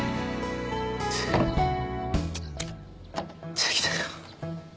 できたよ。